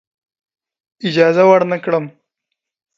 اجازه ورنه کړم.